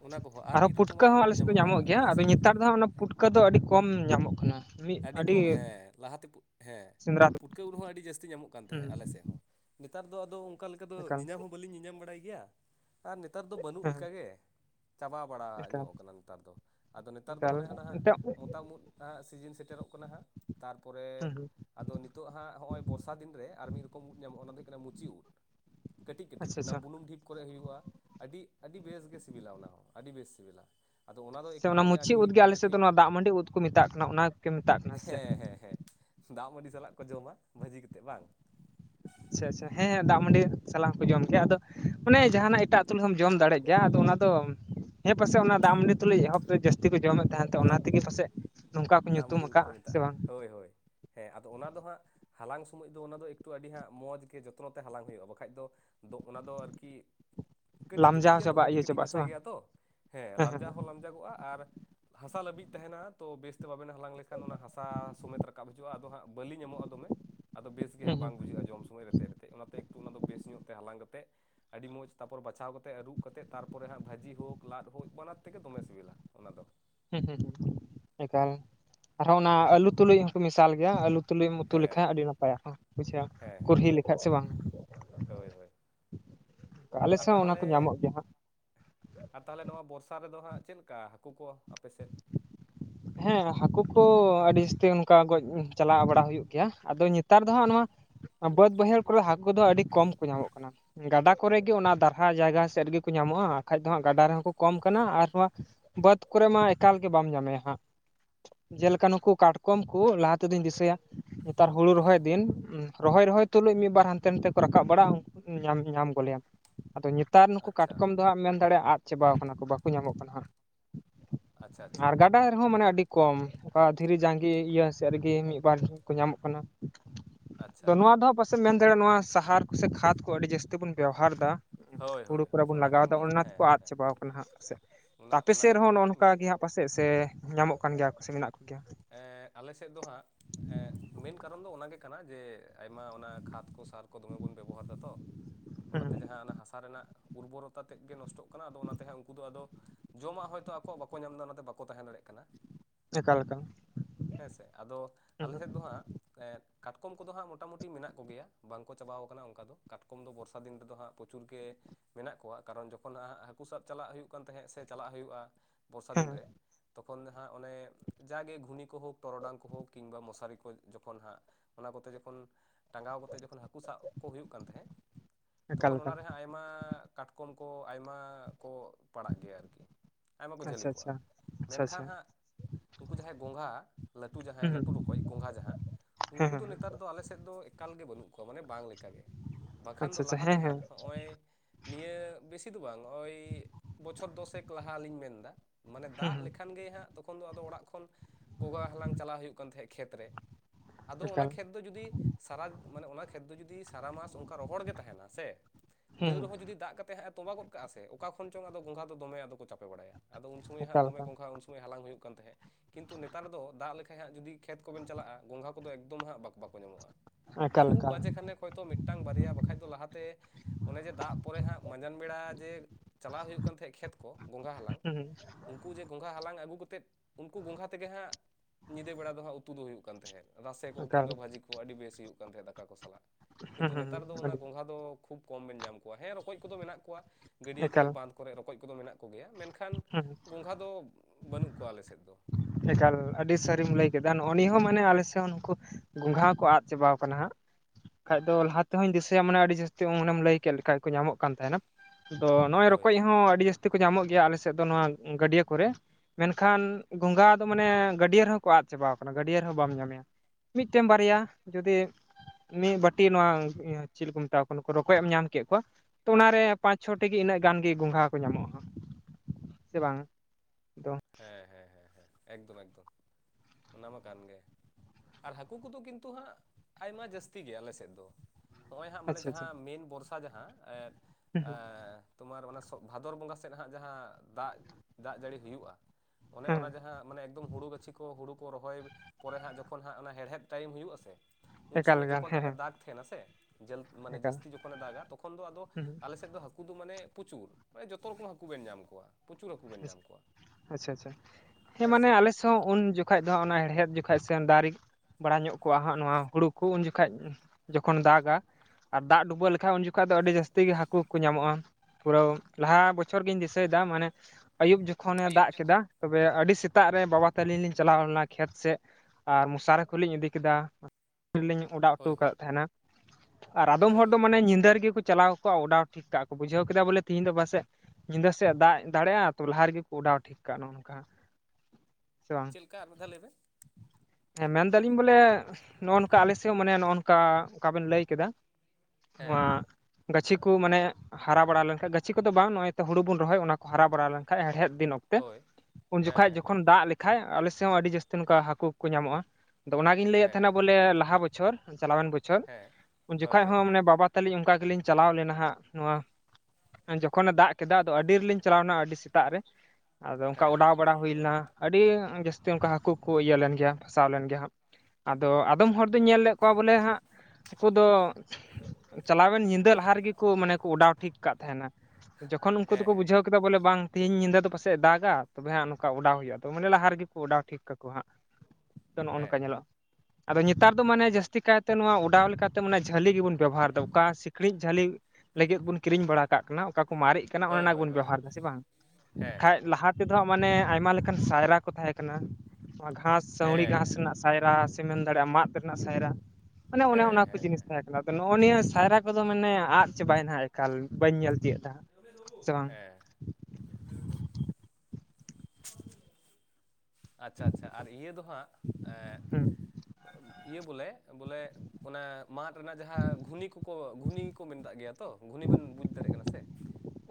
ᱚᱱᱟ ᱠᱚᱦᱚᱸ ᱟᱨ ᱟᱨᱦᱚᱸ ᱢᱤᱫ ᱯᱩᱴᱠᱟᱹ ᱨᱚᱠᱚᱢᱟᱜ ᱦᱚᱸ ᱩᱫ ᱟᱞᱮ ᱥᱮᱫ ᱫᱚ ᱧᱟᱢᱚᱜᱼᱟ ᱧᱟᱢᱚᱜ ᱜᱮᱭᱟ ᱟᱞᱮ ᱟᱫᱚ ᱥᱮᱫ ᱱᱮᱛᱟᱨ ᱫᱚ ᱦᱟᱸᱜ ᱚᱱᱟ ᱯᱩᱴᱠᱟᱹ ᱫᱚ ᱟᱹᱰᱤ ᱠᱚᱢ ᱧᱟᱢᱚᱜ ᱠᱟᱱᱟ ᱟᱹᱰᱤ ᱠᱚᱢ ᱦᱮᱸ ᱞᱟᱦᱟᱛᱮ ᱯᱩ ᱦᱮᱸ ᱥᱮᱸᱫᱽᱨᱟ ᱯᱩᱴ ᱠᱟᱹᱣ ᱨᱮᱦᱚᱸ ᱟᱹᱰᱤ ᱡᱟᱹᱥᱛᱤ ᱧᱟᱢᱚᱜ ᱠᱟᱱ ᱦᱩᱸ ᱛᱟᱦᱮᱸᱜ ᱟᱞᱮ ᱥᱮᱫ ᱦᱚᱸ ᱱᱮᱛᱟᱨ ᱫᱚ ᱟᱫᱚ ᱚᱱᱠᱟ ᱞᱮᱠᱟ ᱫᱚ ᱮᱠᱟᱞ ᱧᱮᱧᱟᱢ ᱦᱚᱸ ᱵᱟᱹᱞᱤᱧ ᱧᱮᱧᱟᱢ ᱵᱟᱲᱟᱭ ᱜᱮᱭᱟ ᱟᱨ ᱱᱮᱛᱟᱨ ᱫᱚ ᱵᱟᱹᱱᱩᱜ ᱦᱮᱸ ᱜᱮ ᱪᱟᱵᱟ ᱵᱟᱲᱟ ᱮᱠᱟᱞ ᱧᱚᱜ ᱟᱠᱟᱱᱟ ᱱᱮᱛᱟᱨ ᱫᱚ ᱟᱫᱚ ᱱᱮᱛᱟᱨ ᱫᱚ ᱮᱠᱟᱞ ᱚᱱᱮ ᱱᱟᱦᱟᱸᱜ ᱮᱱᱛᱮ ᱢᱚᱛᱟᱢ ᱩᱫ ᱥᱤᱡᱤᱱ ᱥᱮᱴᱮᱨᱚᱜ ᱠᱟᱱᱟ ᱦᱟᱸᱜ ᱦᱩᱸ ᱛᱟᱨᱯᱚᱨᱮ ᱦᱩᱸ ᱟᱫᱚ ᱱᱤᱛᱚᱜ ᱦᱟᱸᱜ, ᱦᱚᱸᱜᱼᱚᱭ ᱵᱚᱨᱥᱟ ᱫᱤᱱ ᱨᱮ ᱟᱨ ᱢᱤᱫ ᱨᱚᱠᱚᱢ ᱩᱫᱽ ᱧᱟᱢᱚᱜᱼᱟ᱾ ᱚᱱᱟ ᱫᱚ ᱦᱩᱭᱩᱜ ᱠᱟᱱᱟ ᱢᱩᱪᱤ ᱩᱫᱽ᱾ ᱠᱟᱹᱴᱤᱡ ᱠᱟᱹᱴᱤᱡ ᱟᱪᱪᱷᱟ ᱚᱱᱟ ᱟᱪᱪᱷᱟ ᱵᱩᱱᱩᱢ ᱰᱷᱤᱯ ᱠᱚᱨᱮ ᱦᱩᱭᱩᱜᱼᱟ᱾ᱟᱹᱰᱤ ᱟᱹᱰᱤ ᱵᱮᱥ ᱜᱮ ᱥᱤᱵᱤᱞᱟ, ᱚᱱᱟ ᱦᱚᱸ ᱟᱹᱰᱤ ᱵᱮᱥ ᱥᱤᱵᱤᱞᱟ᱾ ᱟᱫᱚ ᱚᱱᱟ ᱫᱚ ᱥᱮ ᱮᱠᱴᱩ ᱚᱱᱟ ᱢᱟᱱᱮ ᱢᱩᱪᱤ ᱟᱹᱰᱤ ᱩᱫ ᱜᱮ ᱵᱷᱟᱞᱮ ᱟᱞᱮᱥᱮᱫ ᱫᱚ ᱴᱷᱤᱠ ᱚᱱᱟ ᱫᱟᱜ ᱢᱟᱹᱰᱤ ᱩᱫ ᱠᱚ ᱢᱮᱛᱟᱜ ᱠᱟᱱᱟ ᱚᱱᱟ ᱜᱮ ᱢᱮᱛᱟᱜ ᱠᱟᱱᱟ ᱥᱮ ᱦᱮᱸ ᱦᱮᱸ ᱦᱮᱸ ᱫᱟᱜ ᱢᱟᱹᱰᱤ ᱥᱟᱞᱟᱜ ᱠᱚ ᱡᱚᱢᱟ ᱵᱷᱟᱹᱡᱤ ᱠᱟᱛᱮᱫ ᱵᱟᱝ ᱟᱪᱪᱷᱟ ᱟᱪᱪᱷᱟ ᱦᱮᱸᱫᱟᱜ ᱢᱟᱹᱰᱤ ᱥᱟᱞᱟᱜ ᱠᱚ ᱡᱚᱢ ᱠᱮᱭᱟ ᱟᱫᱚ ᱢᱟᱱᱮ ᱡᱟᱦᱟᱱᱟᱜ ᱮᱴᱟᱜ ᱛᱩᱞᱩᱡ ᱦᱚᱸᱢ ᱡᱚᱢ ᱫᱟᱲᱮᱜ ᱜᱮᱭᱟ ᱟᱫᱚ ᱚᱱᱟᱫᱚ ᱦᱮᱸ ᱯᱟᱥᱮᱡ ᱚᱱᱟ ᱫᱟᱜ ᱢᱟᱹᱰᱤ ᱛᱩᱞᱩᱡ ᱮᱦᱚᱵ ᱫᱚ ᱡᱟᱹᱥᱛᱤ ᱠᱚ ᱡᱚᱢᱮᱫ ᱛᱟᱦᱮᱱ ᱛᱮ ᱚᱱᱟ ᱛᱮᱜᱮ ᱯᱟᱥᱮᱡ ᱱᱚᱝᱠᱟ ᱠᱚ ᱫᱟᱜ ᱧᱩᱛᱩᱢ ᱢᱟᱹᱰᱤ ᱩᱵ ᱠᱚ ᱟᱠᱟᱫᱼᱟ ᱥᱮ ᱢᱮᱛᱟᱜᱼᱟ ᱵᱟᱝ ᱦᱳᱭ ᱦᱳᱭ ᱦᱮᱸ ᱟᱫᱚ ᱚᱱᱟ ᱫᱚ ᱦᱟᱸᱜ ᱦᱟᱞᱟᱝ ᱥᱚᱢᱚᱭ ᱫᱚ ᱚᱱᱟ ᱫᱚ ᱮᱠᱴᱩ ᱟᱹᱰᱤ ᱦᱟᱸᱜ ᱢᱚᱸᱡᱽ ᱜᱮ ᱡᱚᱛᱱᱚ ᱛᱮ ᱦᱟᱞᱟᱝ ᱦᱩᱭᱩᱜᱼᱟ ᱵᱟᱠᱷᱟᱡ ᱫᱚ ᱫᱚ ᱚᱱᱟᱫᱚ ᱟᱨᱠᱤ ᱠᱟᱹᱴᱤᱡ ᱠᱟᱹᱴᱤᱡ ᱞᱟᱢᱡᱟᱣ ᱜᱮᱭᱟ ᱛᱚ ᱪᱟᱵᱟᱜ ᱠᱟᱹᱴᱤᱡ ᱤᱭᱟᱹ ᱠᱟᱹᱴᱤᱡ ᱪᱟᱵᱟᱜ ᱥᱮ ᱢᱟᱪᱷᱟ ᱵᱟᱝ ᱜᱮᱭᱟ ᱛᱚ ᱦᱮᱸ ᱞᱟᱢᱸᱡᱟᱜ ᱦᱚᱸ ᱞᱟᱢᱡᱟᱜᱚᱜ-ᱟ ᱟᱨ ᱦᱟᱥᱟ ᱞᱟᱹᱵᱤᱡ ᱛᱟᱦᱮᱱᱟ ᱛᱚ ᱵᱮᱥᱛᱮ ᱵᱟᱵᱮᱱ ᱦᱟᱞᱟᱝ ᱞᱮᱠᱷᱟᱱ ᱚᱱᱟ ᱦᱟᱥᱟ ᱥᱚᱢᱮᱛ ᱨᱟᱠᱟᱵ ᱦᱤᱡᱩᱜᱼᱟ ᱟᱫᱚ ᱦᱟᱸᱜ ᱵᱟᱹᱞᱤ ᱧᱟᱢᱚᱜᱼᱟ ᱫᱚᱢᱮ ᱟᱫᱚ ᱵᱮᱥ ᱜᱮ ᱦᱟᱸᱜ ᱦᱩᱸ ᱵᱟᱝ ᱵᱩᱡᱷᱟᱹᱜ-ᱟ᱾ ᱡᱚᱢ ᱥᱚᱢᱚᱭ ᱨᱮᱛᱮ ᱨᱮᱛᱮᱫ ᱚᱱᱟᱛᱮ ᱛᱩ ᱚᱱᱟ ᱫᱚ ᱵᱮᱥ ᱧᱚᱜ ᱛᱮ ᱦᱟᱞᱟᱝ ᱠᱟᱛᱮᱫ ᱟᱹᱰᱤ ᱢᱚᱡᱽ ᱛᱟᱨᱯᱚᱨ ᱵᱟᱪᱷᱟᱣ ᱠᱟᱛᱮᱫ ᱟᱹᱨᱩᱵ ᱠᱟᱛᱮᱫ ᱛᱟᱨᱯᱚᱨᱮ ᱦᱟᱸᱜ ᱵᱷᱟ. ᱡᱤ ᱦᱳᱠ ᱞᱟᱫ ᱦᱳᱠ ᱵᱟᱱᱟᱨ ᱛᱮᱜᱮ ᱫᱚᱢᱮ ᱥᱤᱵᱤᱞᱟ᱾ ᱚᱱᱟ ᱫᱚ ᱦᱩᱸ ᱦᱩᱸᱸ ᱮᱠᱟᱞ ᱟᱨᱦᱚᱸ ᱚᱱᱟ ᱟᱹᱞᱩ ᱛᱩᱞᱩᱡ ᱦᱚᱸᱠᱚ ᱢᱮᱥᱟᱞ ᱜᱮᱭᱟ ᱟᱹᱞᱩ ᱛᱩᱞᱩᱡ ᱩᱛᱩ ᱦᱮᱸ ᱞᱮᱠᱷᱟᱡ ᱟᱹᱰᱤ ᱱᱟᱯᱟᱭ-ᱟ ᱠᱚ ᱵᱩᱡᱽ ᱠᱮᱜᱼᱟᱢ ᱦᱮᱸ ᱦᱮᱸ ᱠᱩᱨᱦᱤ ᱦᱮᱸ ᱞᱮᱠᱷᱟᱡ ᱥᱮ ᱦᱮᱸ ᱵᱟᱝ ᱦᱳᱭ ᱦᱳᱭ ᱟᱞᱮ ᱟᱨ ᱥᱮᱫ ᱚᱱᱟ ᱠᱚ ᱛᱟᱦᱚᱞᱮ ᱧᱟᱢᱚᱜ ᱜᱮᱭᱟ ᱦᱟᱸᱜ ᱟᱨ ᱛᱟᱦᱚᱞᱮ ᱱᱚᱣᱟ ᱵᱚᱨᱥᱟ ᱨᱮᱫᱚ ᱦᱟᱸᱜ ᱪᱮᱫ ᱞᱮᱠᱟ ᱦᱟᱹᱠᱩ ᱠᱚ ᱟᱯᱮ ᱥᱮᱫ? ᱦᱮᱸ ᱦᱟᱹᱠᱩ ᱠᱚ ᱟᱹᱰᱤ ᱡᱟᱹᱥᱛᱤ ᱚᱱᱠᱟ ᱜᱚᱡ ᱪᱟᱞᱟᱣ ᱵᱟᱲᱟ ᱦᱩᱭᱩᱜ ᱜᱮᱭᱟ ᱟᱫᱚ ᱱᱮᱛᱟᱨ ᱫᱚ ᱦᱟᱸᱜ ᱱᱚᱣᱟ ᱵᱟᱹᱫᱽ ᱵᱟᱹᱭᱦᱟᱹᱲ ᱠᱚᱨᱮ ᱦᱟᱹᱠᱩ ᱫᱚ ᱟᱹᱰᱤ ᱠᱚᱢ ᱠᱚ ᱧᱟᱢᱚᱜ ᱠᱟᱱᱟ ᱜᱟᱰᱟ ᱠᱚᱨᱮᱜᱮ ᱚᱱᱟ ᱫᱟᱨᱦᱟ ᱡᱟᱭᱜᱟ ᱥᱮᱫ ᱨᱮᱜᱮ ᱠᱚ ᱧᱟᱢᱚᱜᱼᱟ ᱾ᱵᱟᱠᱷᱟᱡ ᱫᱚ ᱦᱟᱸᱜ ᱜᱟᱰᱟ ᱨᱮᱦᱚᱸ ᱠᱚ ᱠᱚᱢ ᱠᱟᱱᱟ ᱟᱨ ᱱᱚᱣᱟ ᱵᱟᱹᱫᱽ ᱠᱚᱨᱮ ᱢᱟ ᱮᱠᱟᱞ ᱜᱮ ᱵᱟᱢ ᱧᱟᱢᱮᱭᱟ ᱦᱟᱸᱜ᱾ ᱡᱮᱞᱮᱠᱟ ᱱᱩᱠᱩ ᱠᱟᱴᱠᱚᱢ ᱠᱩ ᱞᱟᱦᱟ ᱛᱮᱫᱚᱧ ᱫᱤᱥᱟᱹᱭᱟ ᱱᱮᱛᱟᱨ ᱦᱩᱲᱩ ᱨᱚᱦᱚᱭ ᱫᱤᱱ ᱨᱚᱦᱚᱭ ᱨᱚᱦᱚᱭ ᱛᱩᱞᱩᱡ ᱢᱤᱫ ᱵᱟᱨ ᱦᱟᱱᱛᱮ ᱱᱚᱛᱮ ᱠᱚ ᱨᱟᱠᱟᱵ ᱵᱟᱲᱟᱜᱼᱟ᱾ ᱧᱟᱢ ᱧᱟᱢ ᱜᱚᱞᱮᱭᱟᱢ ᱟᱫᱚ ᱱᱮᱛᱟᱨ ᱱᱩᱠᱩ ᱟᱪᱪᱷᱟ ᱠᱟᱴᱠᱚᱢ ᱫᱚ ᱦᱟᱸᱜ ᱢᱮᱱ ᱫᱟᱲᱮᱭᱟᱜᱼᱟ ᱟᱹᱫ ᱪᱟᱵᱟᱣᱟᱠᱟᱱᱟ ᱠᱚ ᱵᱟᱠᱚ ᱧᱟᱢᱚᱜ ᱠᱟᱱᱟ ᱦᱟᱸᱜ ᱟᱪᱪᱷᱟ ᱟᱨ ᱟᱪᱪᱷᱟ ᱜᱟᱹᱰᱟ ᱦᱚᱸ ᱢᱟᱱᱮ ᱟᱹᱰᱤ ᱠᱚᱢ ᱚᱱᱠᱟ ᱫᱷᱤᱨᱤ ᱡᱟᱸᱜᱮ ᱤᱭᱟᱹ ᱥᱮᱫ ᱨᱮᱜᱮ ᱢᱤᱫᱵᱟᱨ ᱠᱚ ᱧᱟᱢᱚᱜ ᱠᱟᱱᱟ ᱟᱪᱪᱷᱟ ᱟᱫᱚ ᱱᱚᱣᱟ ᱫᱚ ᱯᱟᱥᱮᱡ ᱢᱮᱱ ᱫᱟᱲᱮᱭᱟᱜᱼᱟ ᱱᱚᱣᱟ ᱥᱟᱦᱟᱨ ᱠᱚᱥᱮ ᱠᱷᱟᱫᱽ ᱠᱚ ᱟᱹᱰᱤ ᱡᱟᱹᱥᱛᱤ ᱵᱚᱱ ᱵᱮᱣᱦᱟᱨ ᱮᱫᱟ ᱦᱳᱭ ᱦᱳᱭ ᱦᱩᱲᱩ ᱠᱚᱨᱮ ᱦᱳᱭ ᱵᱚᱱ ᱚᱱᱟ ᱠᱟᱱ ᱞᱟᱜᱟᱣᱮᱫᱟ ᱜᱮᱭᱟ ᱚᱱ ᱚᱱᱟ ᱛᱮᱠᱚ ᱦᱮᱸ ᱟᱫ ᱦᱮᱸ ᱪᱟᱵᱟᱣ ᱠᱟᱱᱟ ᱦᱟᱸᱜ ᱥᱮ ᱚᱱᱟ ᱟᱯᱮ ᱥᱮᱫ ᱚᱱᱟᱜᱮ ᱨᱮᱦᱚᱸ ᱠᱟᱱᱟ ᱱᱚᱜᱼᱚ ᱱᱚᱝᱠᱟ ᱢᱤᱫ ᱜᱮ ᱦᱟᱸᱜ ᱯᱟᱥᱮᱫ ᱥᱮ ᱧᱟᱢᱚᱜ ᱠᱟᱱ ᱜᱮᱭᱟ ᱠᱚ ᱥᱮ ᱢᱮᱱᱟᱜ ᱠᱚᱜᱮᱭᱟ ᱮᱼᱟᱞᱮ ᱥᱮᱫ ᱫᱚ ᱦᱟᱸᱜ ᱢᱮᱱ ᱠᱟᱨᱚᱱ ᱫᱚ ᱚᱱᱟ ᱜᱮ ᱠᱟᱱᱟ ᱡᱮ ᱟᱭᱢᱟ ᱚᱱᱟ ᱠᱷᱟᱫᱽ ᱠᱚ ᱥᱟᱨ ᱠᱚ ᱫᱚᱢᱮ ᱵᱚᱱ ᱵᱮᱵᱚᱦᱟᱨ ᱮᱫᱟ ᱛᱚ ᱚᱱᱟᱛᱮ ᱦᱩᱸ ᱡᱟᱦᱟᱸ ᱚᱱᱟ ᱦᱟᱥᱟ ᱨᱮᱱᱟᱜ ᱩᱨᱵᱚᱨᱚᱛᱟ ᱛᱮᱫ ᱜᱮ ᱱᱚᱥᱴᱚᱜ ᱠᱟᱱᱟ ᱟᱫᱚ ᱚᱱᱟᱛᱮ ᱦᱟᱸ ᱩᱱᱠᱩ ᱫᱚ ᱟᱫᱚ ᱡᱚᱢᱟᱜ ᱦᱚᱭ ᱛᱚ ᱟᱠᱚᱣᱟᱜ ᱵᱟᱠᱚ ᱧᱟᱢ ᱫᱟ ᱚᱱᱟ ᱛᱮ ᱵᱟᱠᱚ ᱛᱟᱦᱮᱸ ᱫᱟᱲᱮᱭᱟᱜ ᱠᱟᱱᱟ ᱮᱠᱟᱞ ᱠᱟ ᱦᱮᱸ ᱥᱮ ᱟᱫᱚ ᱟᱞᱮ ᱥᱮᱫ ᱫᱚ ᱦᱟᱸᱜ ᱮ ᱠᱟᱴᱠᱚᱢ ᱠᱚ ᱫᱚ ᱦᱟᱸᱜ ᱢᱚᱴᱟ ᱢᱩᱴᱤ ᱢᱮᱱᱟᱜ ᱠᱚᱜᱮᱭ ᱟ ᱵᱟᱝ ᱠᱚ ᱪᱟᱵᱟ ᱟᱠᱟᱱᱟ ᱚᱱᱠᱟ ᱫᱚ ᱠᱟᱴᱠᱚᱢ ᱫᱚ ᱵᱚᱨᱥᱟ ᱫᱤᱱ ᱨᱮᱫᱚ ᱦᱟᱸᱜ ᱯᱩᱪᱩᱨ ᱜᱮ ᱢᱮᱱᱟᱜ ᱠᱚᱣᱟ ᱠᱟᱨᱚᱱ ᱡᱚᱠᱷᱚᱱ ᱦᱟᱹᱠᱩ ᱥᱟᱵ ᱪᱟᱞᱟᱜ ᱦᱩᱭᱩᱜ ᱠᱟᱱ ᱛᱟᱦᱮᱸᱜ ᱥᱮ ᱪᱟᱞᱟᱜ ᱦᱩᱭᱩᱜ-ᱟ ᱵᱚᱨᱥᱟ ᱦᱮᱸ ᱫᱤᱱ ᱨᱮ ᱛᱚᱠᱷᱚᱱ ᱦᱟᱜ ᱚᱱᱮ ᱡᱟ ᱜᱮ ᱜᱷᱩᱱᱤ ᱠᱚ ᱦᱳᱠ ᱛᱚᱨᱚᱰᱟᱝ ᱠᱚ ᱦᱳᱠ ᱠᱤᱢᱵᱟ ᱢᱚᱥᱟᱨᱤ ᱠᱚ ᱡᱚᱠᱷᱚᱱ ᱦᱟᱸᱜ ᱚᱱᱟ ᱠᱚᱛᱮ ᱡᱚᱠᱷᱚᱱ ᱴᱟᱸᱜᱟᱣ ᱠᱟᱛᱮᱜ ᱡᱚᱠᱷᱚᱱ ᱦᱟᱹᱠᱩ ᱥᱟᱵ ᱠᱚ ᱦᱩᱭᱩᱜ ᱠᱟᱱ ᱛᱟᱦᱮᱸᱫ ᱛᱚ ᱮᱠᱟᱞ ᱠᱷᱚᱱ ᱮᱠᱟᱞ ᱚᱱᱟ ᱨᱮ ᱦᱚᱸ ᱟᱭᱢᱟ ᱠᱟᱴᱠᱚᱢ ᱠᱚ ᱟᱭᱢᱟ ᱠᱚ ᱯᱟᱲᱟᱜ ᱜᱮᱭᱟ ᱟᱨᱠᱤ ᱟᱭᱢᱟ ᱠᱚ ᱡᱷᱟᱹᱞᱤ ᱟᱪᱪᱷᱟ ᱠᱚᱜ-ᱟ ᱟᱪᱪᱷᱟ ᱟᱪᱪᱷᱟ ᱢᱮᱱ ᱟᱪᱪᱷᱟ ᱠᱷᱟᱱ ᱦᱟᱸᱜ ᱩᱱᱠᱩ ᱡᱟᱦᱟᱸᱭ ᱜᱚᱝᱜᱷᱟ ᱞᱟᱹᱴᱩ ᱡᱟᱦᱟᱸᱭ ᱦᱩᱸ ᱞᱟᱹᱴᱩ ᱨᱚᱠᱚᱡ ᱜᱚᱝᱜᱷᱟ ᱡᱟᱦᱟᱸ ᱦᱮᱸ ᱩᱱᱠᱩ ᱫᱚ ᱦᱮᱸ ᱱᱮᱛᱟᱨ ᱫᱚ ᱟᱞᱮᱥᱮᱫ ᱫᱚ ᱮᱠᱟᱞ ᱜᱮ ᱵᱟᱹᱱᱩᱜ ᱠᱚᱣᱟ ᱢᱟᱱᱮ ᱵᱟᱝ ᱞᱮᱠᱟ ᱜᱮ ᱵᱟᱠᱷᱟᱱ ᱟᱪᱪᱷᱟ ᱫᱚ ᱟᱪᱪᱷᱟ ᱞᱟᱦᱟ ᱛᱮ ᱦᱮᱸ ᱦᱟᱸᱜ ᱦᱮᱸ ᱦᱚᱸᱜ-ᱚᱭ ᱱᱤᱭᱟᱹ ᱵᱮᱥᱤ ᱫᱚ ᱵᱟᱝ ᱳᱭ ᱵᱚᱪᱷᱚᱨ ᱫᱚᱥᱮᱠ ᱞᱟᱦᱟ ᱞᱤᱧ ᱢᱮᱱ ᱮᱫᱟ ᱢᱟᱱᱮ ᱫᱟᱜ ᱦᱩᱸ ᱞᱮᱠᱷᱟᱱ ᱜᱮ ᱦᱟᱸᱜ ᱛᱚᱠᱷᱚᱱ ᱫᱚ ᱟᱫᱚ ᱚᱲᱟᱜ ᱠᱷᱚᱱ ᱜᱚᱜᱷᱟ ᱦᱟᱞᱟᱝ ᱪᱟᱞᱟᱜ ᱦᱩᱭᱩᱜ ᱠᱟᱱ ᱛᱟᱦᱮᱸᱫ ᱠᱷᱮᱛᱨᱮ ᱟᱫᱚ ᱚᱱᱟ ᱮᱠᱟᱞ ᱠᱷᱮᱛ ᱫᱚ ᱡᱩᱫᱤ ᱥᱟᱨᱟ ᱢᱟᱱᱮ ᱚᱱᱟ ᱠᱷᱮᱛᱽᱫᱚ ᱡᱩᱫᱤ ᱥᱟᱨᱟ ᱢᱟᱥ ᱚᱱᱠᱟ ᱨᱚᱦᱚᱲ ᱜᱮ ᱛᱟᱦᱮᱱᱟ ᱥᱮ ᱛᱟᱹᱨ ᱦᱩᱸ ᱨᱮᱦᱚᱸ ᱡᱩᱫᱤ ᱫᱟᱜ ᱠᱟᱛᱮ ᱦᱟᱜ ᱮ ᱛᱚᱢᱦᱟᱣ ᱜᱚᱫ ᱠᱟᱜ-ᱟ ᱥᱮ ᱚᱠᱟ ᱠᱷᱚᱱ ᱪᱚᱝ ᱟᱫᱚ ᱜᱚᱸᱝᱷᱟ ᱫᱚᱢᱮ ᱟᱫᱚ ᱠᱚ ᱪᱟᱯᱮ ᱵᱟᱲᱟᱭᱟ ᱟᱫᱚ ᱩᱱ ᱥᱚᱢᱚᱭ ᱦᱟᱸᱜ ᱮᱠᱟᱞ ᱫᱚᱢᱮ ᱠᱚᱝᱠᱷᱟ ᱩᱱ ᱥᱚᱢᱚᱭ ᱦᱟᱞᱟᱝ ᱦᱩᱭᱩᱜ ᱠᱟᱱ ᱛᱟᱦᱮᱸᱫ ᱠᱤᱱᱛᱩ ᱱᱮᱛᱟᱨ ᱫᱚ ᱫᱟᱜ ᱞᱮᱠᱷᱟᱡ ᱦᱟᱜ ᱡᱩᱫᱤ ᱠᱷᱮᱛ ᱠᱚᱵᱮᱱ ᱪᱟᱞᱟᱜ-ᱟ ᱜᱚᱝᱜᱷᱟ ᱠᱚ ᱫᱚ ᱮᱠᱫᱚᱢ ᱦᱟᱸᱜ ᱵᱟᱠᱚ ᱧᱟᱢᱚᱜ-ᱟ ᱮᱠᱟᱞ ᱠᱷᱩᱢ ᱮᱠᱟᱞ ᱵᱟᱡᱮ ᱠᱷᱟᱱᱮᱠ ᱦᱚᱭᱛᱚ ᱢᱤᱫᱴᱟᱝ ᱵᱟᱨᱭᱟ ᱵᱟᱠᱷᱟ ᱫᱚ ᱞᱟᱦᱟ ᱛᱮ ᱚᱱᱮ ᱡᱮ ᱫᱟᱜ ᱯᱚᱨᱮ ᱦᱟᱸᱜ ᱢᱟᱡᱟᱱ ᱵᱮᱲᱟ ᱡᱮ ᱪᱟᱞᱟᱣ ᱦᱩᱭᱩᱜ ᱠᱟᱱ ᱛᱟᱦᱮᱸᱫ ᱠᱷᱮᱛ ᱠᱚ ᱜᱚᱝᱜᱟ ᱦᱟᱞᱟᱝ ᱦᱩᱸ ᱩᱱᱠᱩ ᱡᱮ ᱜᱚᱝᱜᱟ ᱦᱟᱞᱟᱝ ᱟᱹᱜᱩ ᱠᱟᱛᱮᱫ ᱩᱱᱠᱩ ᱜᱚᱝᱜᱷᱟ ᱛᱮᱜᱮ ᱦᱟᱸᱜ ᱧᱤᱫᱟᱹ ᱵᱮᱲᱟ ᱫᱚ ᱦᱟᱸᱜ ᱩᱛᱩ ᱫᱚ ᱦᱩᱭᱩᱜ ᱠᱟᱱ ᱛᱟᱦᱮᱸᱫ ᱨᱟᱥᱮ ᱠᱚ ᱮᱠᱟᱞ ᱠᱤᱝᱵᱟ ᱵᱷᱟᱡᱤ ᱠᱚ ᱛᱚ ᱟᱹᱰᱤ ᱵᱮᱥ ᱦᱩᱭᱩᱜ ᱠᱟᱱ ᱛᱟᱦᱮᱸ-ᱟ ᱫᱟᱠᱟ ᱠᱚ ᱥᱟᱞᱟᱜ ᱦᱩᱸ ᱠᱤᱱᱛᱩ ᱦᱩᱸ ᱱᱮᱛᱟᱨ ᱫᱚ ᱚᱱᱟ ᱟᱹᱰᱤ ᱜᱚᱝᱜᱷᱟ ᱫᱚ ᱠᱷᱩᱵ ᱠᱚᱢ ᱵᱮᱱ ᱧᱟᱢ ᱠᱚᱣᱟ ᱦᱮᱸ ᱨᱚᱠᱚᱡ ᱠᱚᱫᱚ ᱢᱮᱱᱟᱜ ᱠᱚᱣᱟ ᱜᱟᱹᱰᱭᱟᱹ ᱮᱠᱟᱞ ᱠᱚᱨᱮᱜ ᱵᱟᱸᱱᱫ ᱠᱚᱨᱮᱜ ᱨᱚᱠᱚᱡ ᱠᱚᱫᱚ ᱢᱮᱱᱟᱜ ᱠᱚ ᱜᱮᱭᱟ ᱢᱮᱱ ᱠᱷᱟᱱ ᱦᱩᱸ ᱜᱚᱝᱜᱷᱟ ᱫᱚ ᱵᱟᱹᱱᱩᱜ ᱠᱚᱣᱟ ᱟᱞᱮ ᱥᱮᱫ ᱫᱚ ᱮᱠᱟᱞ ᱟᱹᱰᱤ ᱥᱟᱹᱨᱤᱢ ᱞᱟᱹᱭ ᱠᱮᱫᱟ ᱱᱚᱜᱚ ᱱᱤᱭᱟᱹ ᱦᱚᱸ ᱢᱟᱱᱮ ᱟᱞᱮ ᱥᱮᱫ ᱦᱚᱸ ᱱᱩᱠᱩ ᱜᱚᱝᱜᱷᱟ ᱦᱚᱠᱚ ᱟᱫ ᱪᱟᱵᱟ ᱣᱟᱠᱟᱱᱟ ᱦᱟᱸᱜ ᱠᱷᱟᱡ ᱫᱚ ᱞᱟᱦᱟ ᱛᱮᱦᱚᱸᱧ ᱫᱤᱥᱟᱹᱭᱟ ᱢᱟᱱᱮ ᱟᱹᱰᱤ ᱡᱟᱹᱥᱛᱤ ᱚᱱᱮᱢ ᱞᱟᱹᱭ ᱠᱮᱫ ᱞᱮᱠᱟ ᱠᱚ ᱧᱟᱢᱚᱜ ᱠᱟᱱ ᱛᱟᱦᱮᱱᱟ ᱟᱫᱚ ᱱᱚᱜ-ᱚᱭ ᱦᱳᱭ ᱨᱚᱠᱚᱡ ᱦᱚᱸ ᱟᱹᱰᱤ ᱡᱟᱹᱥᱛᱤ ᱠᱚ ᱧᱟᱢᱚᱜ ᱜᱮᱭᱟ ᱟᱞᱮ ᱥᱮᱫ ᱫᱚ ᱱᱚᱣᱟ ᱜᱟᱹᱰᱭᱟᱹ ᱠᱚᱨᱮ ᱢᱮᱱ ᱠᱷᱟᱱ ᱜᱚᱸᱜᱟ ᱫᱚ ᱢᱟᱱᱮ ᱜᱟᱹᱰᱭᱟᱹ ᱨᱮ ᱦᱚᱸ ᱠᱚ ᱟᱫ ᱪᱟᱵᱟ ᱠᱟᱱᱟ ᱜᱟᱹᱰᱭᱟᱹ ᱨᱮ ᱦᱚᱸ ᱵᱟᱢ ᱧᱟᱢᱮᱭᱟ ᱢᱤᱫᱴᱮᱱ ᱵᱟᱨᱭᱟ ᱡᱩᱫᱤ ᱢᱤᱫ ᱵᱟᱴᱤ ᱱᱚᱣᱟ ᱪᱮᱫ ᱠᱚ ᱢᱮᱛᱟᱣᱟ ᱱᱩᱠᱩ ᱨᱚᱠᱚᱡ ᱮᱢ ᱧᱟᱢ ᱠᱮᱫ ᱠᱚᱣᱟ ᱛᱚ ᱚᱱᱟ ᱨᱮ ᱯᱟᱸᱪ ᱪᱷᱚᱴᱤ ᱜᱮ ᱤᱱᱟᱹᱜ ᱜᱟᱱ ᱜᱮ ᱜᱚᱸᱜᱷᱟ ᱠᱚ ᱧᱟᱢᱚᱜ-ᱟ ᱥᱮ ᱵᱟᱝ ᱫᱚ ᱦᱮᱸ ᱦᱮᱸ ᱦᱮᱸ ᱮᱠᱫᱚᱢ ᱮᱠᱫᱚᱢ ᱚᱱᱟᱢᱟ ᱠᱟᱱ ᱜᱮ ᱟᱨ ᱦᱟᱹᱠᱩ ᱠᱚ ᱫᱚ ᱠᱤᱱᱛᱩ ᱦᱟᱸᱜ ᱟᱭᱢᱟ ᱡᱟᱹᱥᱛᱤ ᱜᱮᱭᱟ ᱟᱞᱮ ᱥᱮᱫ ᱫᱚ ᱱᱚᱜ-ᱚᱭ ᱦᱟᱸᱜ ᱢᱟᱱᱮ ᱟᱪᱪᱷᱟ ᱟᱪᱪᱷᱟ ᱡᱟᱦᱟᱸ ᱢᱮᱱ ᱵᱚᱨᱥᱟ ᱡᱟᱦᱟᱸ ᱦᱮᱸ ᱛᱳᱢᱟᱨ ᱚᱱᱟ ᱥᱚ ᱵᱷᱟᱫᱚᱨ ᱵᱚᱸᱜᱟ ᱥᱮᱫ ᱦᱟᱜ ᱡᱟᱦᱟᱸ ᱫᱟᱜ ᱫᱟᱜ ᱡᱟᱹᱲᱤ ᱦᱩᱭᱩᱜ-ᱟ ᱚᱱᱮ ᱦᱮᱸ ᱚᱱᱟ ᱡᱟᱦᱟᱸ ᱢᱟᱱᱮ ᱮᱠᱫᱚᱢ ᱦᱩᱲᱩ ᱜᱟᱹᱪᱷᱤ ᱠᱚ ᱦᱩᱲᱩ ᱠᱚ ᱨᱚᱦᱚᱭ ᱯᱚᱨᱮ ᱦᱟᱸᱜ ᱡᱚᱠᱷᱚᱱ ᱦᱟᱸᱜ ᱚᱱᱟ ᱦᱮᱲᱦᱮᱫ ᱴᱟᱭᱤᱢ ᱦᱩᱭᱩᱜ ᱟ ᱥᱮ ᱩᱱ ᱮᱠᱟᱞ ᱥᱚᱢᱚᱭ ᱮᱠᱟᱞ ᱡᱚᱠᱷᱚᱱ ᱦᱮᱸ ᱦᱟᱸᱜ ᱮ ᱦᱮᱸ ᱫᱟᱜ ᱛᱟᱦᱮᱱᱟ ᱥᱮ ᱡᱟᱹ ᱢᱟᱱᱮ ᱮᱠᱟᱞ ᱡᱟᱹᱥᱛᱤ ᱡᱚᱠᱷᱚᱱᱮ ᱫᱟᱜ ᱟ ᱛᱚᱠᱷᱚᱱ ᱫᱚ ᱟᱫᱚ ᱦᱮᱸ ᱟᱞᱮ ᱥᱮᱫ ᱫᱚ ᱦᱟᱹᱠᱩ ᱦᱟᱹᱠᱩ ᱫᱚ ᱢᱟᱱᱮ ᱯᱨᱚᱪᱩᱨ ᱢᱟᱱᱮ ᱡᱚᱛᱚ ᱨᱚᱠᱚᱢ ᱦᱟᱹᱠᱩ ᱵᱮᱱ ᱧᱟᱢ ᱠᱚᱣᱟ ᱯᱨᱚᱪᱩᱨ ᱦᱟᱹᱠᱩ ᱵᱮᱱ ᱧᱟᱢ ᱠᱚᱣᱟ ᱟᱪᱪᱷᱟ ᱟᱪᱪᱷᱟ ᱦᱮᱸ ᱢᱟᱱᱮ ᱟᱞᱮ ᱥᱮᱜ ᱦᱚᱸ ᱩᱱ ᱡᱚᱠᱷᱟ ᱫᱚ ᱦᱟᱜ ᱚᱱᱟ ᱦᱮᱲᱦᱮᱫ ᱡᱚᱠᱷᱟ ᱥᱮ ᱫᱟᱨᱮ ᱵᱟᱲᱟ ᱧᱚᱜ ᱠᱚᱜ-ᱟ ᱦᱟᱸᱜ ᱱᱚᱣᱟ ᱦᱩᱲᱩ ᱠᱚ ᱩᱱ ᱡᱚᱠᱷᱟᱡ ᱡᱚᱠᱷᱚᱱ ᱫᱟᱜ ᱟ ᱟᱨ ᱫᱟᱜ ᱰᱩᱵᱟᱹ ᱞᱮᱠᱷᱟᱡ ᱩᱱ ᱡᱚᱠᱷᱟᱡ ᱫᱚ ᱟᱹᱰᱤ ᱡᱟᱹᱥᱛᱤ ᱜᱮ ᱦᱟᱹᱠᱩ ᱠᱚ ᱧᱟᱢᱚᱜ-ᱟ ᱯᱩᱨᱟᱹ ᱞᱟᱦᱟ ᱵᱚᱪᱷᱚᱨ ᱜᱤᱧ ᱫᱤᱥᱟᱹᱭ ᱫᱟ ᱢᱟᱱᱮ ᱟᱹᱭᱩᱵ ᱡᱚᱠᱷᱚᱱ ᱮ ᱫᱟᱜ ᱠᱮᱫᱟ ᱛᱚᱵᱮ ᱟᱹᱰᱤ ᱥᱮᱛᱟᱜ ᱨᱮ ᱵᱟᱵᱟ ᱛᱟᱹᱞᱤᱧ ᱞᱤᱧ ᱪᱟᱞᱟᱣ ᱞᱮᱱᱟ ᱠᱷᱮᱛ ᱥᱮᱫ ᱟᱨ ᱢᱚᱥᱟᱨᱤ ᱠᱚᱞᱤᱧ ᱤᱫᱤ ᱠᱮᱫᱟ ᱨᱮᱞᱤᱧ ᱚᱰᱟᱣ ᱦᱚᱴᱩ ᱦᱳᱭ ᱦᱳᱭ ᱠᱟᱜ ᱛᱟᱦᱮᱱᱟ ᱟᱨ ᱟᱫᱚᱢ ᱦᱚᱲ ᱦᱳᱭ ᱫᱚ ᱢᱟᱱᱮ ᱧᱤᱫᱟᱹ ᱨᱮ ᱜᱮᱠᱚ ᱪᱟᱞᱟᱣ ᱚᱰᱟᱣ ᱴᱷᱤᱠ ᱠᱟᱜ ᱠᱚ ᱵᱩᱡᱷᱟᱹᱣ ᱠᱮᱫᱟ ᱵᱚᱞᱮ ᱛᱮᱦᱤᱧ ᱫᱚ ᱯᱟᱥᱮᱡ ᱧᱤᱫᱟᱹ ᱥᱮᱫ ᱫᱟᱜ ᱫᱟᱲᱮᱭᱟᱜ-ᱟ ᱴᱚᱞᱟ ᱨᱮ ᱜᱮ ᱠᱚ ᱚᱰᱟᱣ ᱴᱷᱤᱠ ᱠᱟᱜ ᱱᱚᱜ-ᱱᱚᱝᱠᱟ ᱪᱮᱫ ᱞᱮᱠᱟ ᱟᱨ ᱢᱤᱫ ᱫᱷᱟᱣ ᱞᱟᱹᱭ ᱵᱮᱱ ᱦᱮᱸ ᱢᱮᱱᱫᱟᱞᱤᱧ ᱵᱚᱞᱮ ᱱᱚᱜ-ᱚ ᱱᱚᱝᱠᱟ ᱟᱞᱮ ᱥᱮᱫ ᱦᱚᱸ ᱢᱟᱱᱮ ᱱᱚᱜ-ᱚ ᱱᱚᱝᱠᱟ ᱚᱠᱟ ᱵᱮᱱ ᱞᱟᱹᱭ ᱠᱮᱫᱟ ᱦᱮᱸ ᱱᱚᱣᱟ ᱜᱟᱹᱪᱷᱤᱩ ᱠᱚ ᱢᱟᱱᱮ ᱦᱟᱨᱟ ᱵᱟᱲᱟ ᱞᱮᱱᱠᱟᱱ ᱜᱟᱹᱪᱷᱤ ᱠᱚᱫᱚ ᱵᱟᱝ ᱱᱚᱜ ᱚᱚᱭ ᱛᱚ ᱦᱩᱲᱩ ᱵᱚᱱ ᱨᱚᱦᱚᱭ ᱚᱱᱟ ᱠᱚ ᱦᱟᱨᱟ ᱵᱟᱲᱟ ᱞᱮᱱ ᱠᱷᱟᱡ ᱦᱮᱲᱦᱮᱫ ᱫᱤᱱ ᱚᱠᱛᱮ ᱦᱳᱭ ᱩᱱ ᱦᱮᱸ ᱡᱚᱠᱷᱟᱡ ᱦᱮᱸ ᱡᱚᱠᱷᱚᱱ ᱫᱟᱜ ᱠᱷᱟᱡ ᱟᱞᱮᱥᱮᱫ ᱦᱚᱸ ᱟᱹᱰᱤ ᱡᱟᱹᱥᱛᱤ ᱱᱚᱝᱠᱟ ᱦᱟᱹᱠᱩ ᱠᱚ ᱧᱟᱢᱚᱜ-ᱟ ᱟᱫᱚ ᱚᱱᱟᱜᱤᱧ ᱞᱟᱹᱭᱮᱫ ᱛᱟᱦᱮᱱᱟ ᱦᱮᱸ ᱵᱚᱞᱮ ᱞᱟᱦᱟ ᱵᱚᱪ ᱵᱚᱪᱷᱚᱨ ᱪᱟᱞᱟᱣᱮᱱ ᱵᱚᱪᱷᱚᱨ ᱦᱮᱸ ᱩᱱ ᱦᱳᱭ ᱡᱚᱠᱷᱟ ᱦᱳᱭ ᱦᱚᱸ ᱢᱟᱱᱮ ᱵᱟᱵᱟ ᱛᱟᱹᱞᱤᱧ ᱚᱱᱠᱟ ᱜᱮᱞᱤᱧ ᱪᱟᱞᱟᱣ ᱞᱮᱱᱟ ᱦᱟᱸᱜ ᱱᱚᱣᱟ ᱡᱚᱠᱷᱚᱱᱮ ᱫᱟᱜ ᱠᱮᱫᱟ ᱟᱫᱚ ᱟᱹᱰᱤ ᱨᱮᱞᱤᱧ ᱪᱟᱞᱟᱣᱱᱟ ᱟᱹᱰᱤ ᱥᱤᱛ ᱥᱮᱛᱟᱜ ᱨᱮ ᱟᱫᱚ ᱚᱱᱠᱟ ᱦᱮᱸ ᱚᱰᱟᱣ ᱵᱟᱲᱟ ᱦᱩᱭ ᱱᱟ ᱾ ᱟᱹᱰᱤ ᱡᱟᱹᱥᱛᱤ ᱚᱱᱠᱟ ᱦᱟᱹᱠᱩ ᱠᱚ ᱤᱭᱟᱹ ᱞᱮᱱ ᱜᱮᱭᱟ ᱯᱷᱟᱥᱟᱣ ᱞᱮᱱ ᱜᱮᱭᱟ ᱦᱟᱸᱜ ᱟᱫᱚ ᱟᱫᱚᱢ ᱦᱚᱲ ᱫᱚᱧ ᱧᱮᱞ ᱞᱮᱫ ᱠᱚᱣᱟ ᱵᱚᱞᱮ ᱦᱟᱸᱜ ᱩᱱᱠᱩ ᱫᱚ ᱪᱟᱞᱟᱣᱮᱱ ᱧᱤᱫᱟᱹ ᱞᱟᱦᱟ ᱨᱮᱜᱮ ᱠᱚ ᱢᱟᱱᱮ ᱠᱚ ᱚᱰᱟᱣ ᱴᱷᱤᱠ ᱠᱟᱜ ᱛᱟᱦᱮᱱᱟ ᱡᱚᱠᱷᱚᱱ ᱩᱱᱠᱩ ᱦᱮᱸ ᱫᱚᱠᱚ ᱦᱮᱸ ᱵᱩᱡᱷᱟᱹᱣ ᱠᱮᱫᱟ ᱵᱚᱞᱮ ᱵᱟᱝ ᱛᱦᱤᱧ ᱧᱤᱫᱟᱹ ᱫᱚ ᱯᱟᱥᱮᱡ ᱫᱟᱜ ᱟ ᱛᱚᱵᱮ ᱦᱟᱸᱜ ᱱᱚᱝᱠᱟ ᱚᱰᱟᱣ ᱦᱩᱭᱩᱜ-ᱟ ᱛᱚᱵ ᱢᱟᱱᱮ ᱞᱟᱦᱟ ᱨᱮᱜᱮ ᱠᱚ ᱚᱰᱟᱣ ᱴᱷᱤᱠ ᱠᱟᱠᱚ ᱦᱟᱸᱜ ᱛᱚ ᱱᱚᱜᱚ ᱦᱮᱸ ᱱᱚᱝᱠᱟ ᱧᱮᱞᱚᱜ-ᱟ ᱟᱫᱚ ᱱᱮᱛᱟᱨ ᱫᱚ ᱢᱟᱱᱮ ᱡᱟᱹᱥᱛᱤ ᱠᱟᱭ ᱛᱮ ᱱᱚᱣᱟ ᱚᱰᱟᱣ ᱞᱮᱠᱟ ᱛᱮ ᱢᱟᱱᱮ ᱡᱷᱟᱹᱞᱤ ᱜᱮ ᱵᱚᱱ ᱵᱮᱵᱚᱦᱟᱨ ᱫᱟ ᱚᱠᱟ ᱥᱤᱠᱬᱤᱡ ᱡᱷᱟᱹᱞᱤ ᱞᱟᱹᱜᱤᱫ ᱵᱚᱱ ᱠᱤᱨᱤᱧ ᱵᱟᱲᱟ ᱠᱟᱜ ᱠᱟᱱᱟ ᱚᱠᱟ ᱠᱚ ᱢᱟᱨᱮᱜ ᱠᱟᱱᱟ ᱚᱱᱮ ᱦᱳᱭ ᱟᱱᱟ ᱦᱳᱭ ᱜᱮᱵᱚᱱ ᱦᱳᱭ ᱵᱮᱵᱚᱦᱟᱨᱫᱟ ᱥᱮ ᱵᱟᱝ ᱦᱮᱸ ᱠᱷᱟᱡ ᱦᱮᱸ ᱞᱟᱦᱟ ᱛᱮᱫᱚ ᱦᱟᱸᱜ ᱢᱟᱱᱮ ᱟᱭᱢᱟ ᱞᱮᱠᱟᱱ ᱥᱟᱭᱨᱟ ᱠᱚ ᱛᱟᱦᱮᱸ ᱠᱟᱱᱟ ᱱᱚᱣᱟ ᱜᱷᱟᱥ ᱥᱟᱹᱣᱲᱤ ᱦᱮᱸ ᱦᱮᱸ ᱜᱷᱟᱸᱥ ᱨᱮᱱᱟᱜ ᱥᱟᱭᱨᱟ ᱥᱮ ᱢᱮᱱ ᱫᱟᱲᱮᱭᱟᱜ-ᱟ ᱢᱟᱫ ᱨᱮᱱᱟᱜ ᱥᱟᱭᱨᱟ ᱟᱱᱮ ᱚᱱᱮ ᱚᱱᱟ ᱦᱮᱸ ᱠᱚ ᱡᱤᱱᱤᱥ ᱦᱮᱸ ᱛᱟᱦᱮᱸ ᱠᱟᱱᱟ ᱟᱫᱚ ᱱᱚᱜ-ᱚ ᱱᱤᱭᱟᱹ ᱥᱟᱭᱨᱟ ᱠᱚᱫᱚ ᱢᱟᱱᱮ ᱟᱫ ᱪᱟᱵᱟᱭ ᱱᱟᱦᱟᱜ ᱮᱠᱟᱞ ᱵᱟᱹᱧ ᱧᱮᱞ ᱛᱤᱭᱳᱜ ᱫᱟ ᱦᱟᱸᱜ ᱥᱮ [inaudible] ᱵᱟᱝ ᱦᱮᱸ ᱟᱪᱪᱷᱟ ᱟᱪᱪᱷᱟ ᱟᱨ ᱤᱭᱟᱹ ᱫᱚ ᱦᱟᱸᱜ ᱦᱩᱸ ᱤᱭᱟᱹ ᱵᱚᱞᱮ ᱵᱚᱞᱮ ᱚᱱᱟ ᱢᱟᱫ ᱨᱮᱱᱟᱜ ᱡᱟᱦᱟᱸ ᱜᱷᱩᱱᱤ ᱠᱚᱠᱚ ᱜᱷᱩᱱᱤ ᱠᱚ ᱢᱮᱱᱫᱟᱜ ᱜᱮᱭᱟ ᱛᱚ ᱜᱷᱩᱱᱤ ᱵᱮᱱ ᱵᱩᱡᱽ ᱫᱟᱲᱮᱭᱟᱜ ᱠᱟᱱᱟ ᱥᱮ